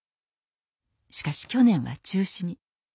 しかし去年は中止に。